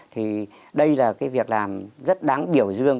thì đây là cái việc làm rất đáng biểu dương